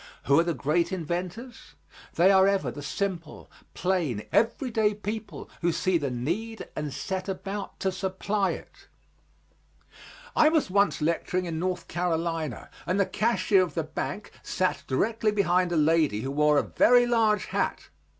Who are the great inventors? They are ever the simple, plain, everyday people who see the need and set about to supply it. I was once lecturing in North Carolina, and the cashier of the bank sat directly behind a lady who wore a very large hat.